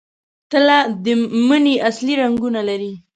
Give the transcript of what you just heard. تله د مني اصلي رنګونه لري.